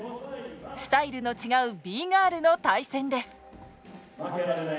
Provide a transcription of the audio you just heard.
スタイルの違うＢＧＩＲＬの対戦です。